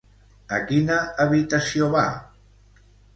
A quina habitació va?